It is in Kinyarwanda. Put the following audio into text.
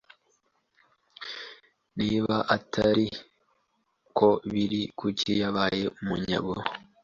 Niba atari ko biri kuki yabaye umunyago